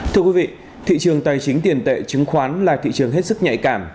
thưa quý vị thị trường tài chính tiền tệ chứng khoán là thị trường hết sức nhạy cảm